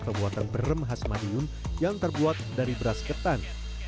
pembuatan berem khas madiun yang terbuat dari beras ketan